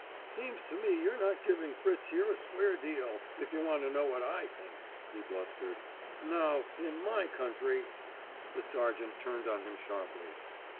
"Seems to me you're not giving Fritz here a square deal, if you want to know what I think," he blustered. "Now, in my country " The sergeant turned on him sharply.